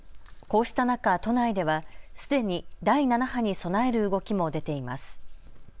こうした中、都内ではすでに第７波に備える動きも出ています。